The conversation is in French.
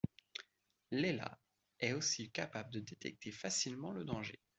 Leela est aussi capable de détecter facilement le danger.